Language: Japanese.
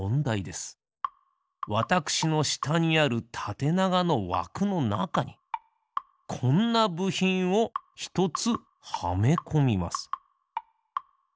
わたくしのしたにあるたてながのわくのなかにこんなぶひんをひとつはめこみます。